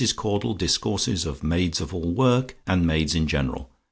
CAUDLE DISCOURSES OF MAIDS OF ALL WORK AND MAIDS IN GENERAL.